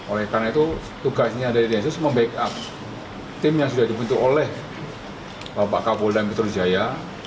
oleh karena itu tugasnya dari densus mem backup tim yang sudah dibentuk oleh bapak kabu dan bintu rujaya